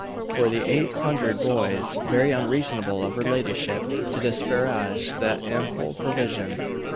for the eight hundred boys. Very unreasonable of her ladyship to disparage that ample provision.